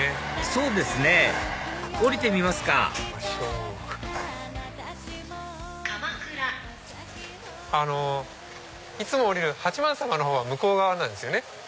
そうですね降りてみますかあのいつも降りる八幡様は向こう側なんですよね。